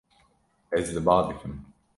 Ez li ba dikim.